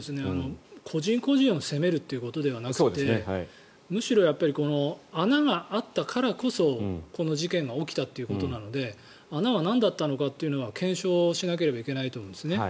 個人個人を責めるっていうことではなくてむしろ穴があったからこそこの事件が起きたということなので穴はなんだったのかというのは検証しなければいけないと思いますね。